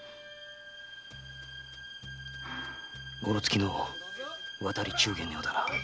ゴロツキの渡り中間のようだな。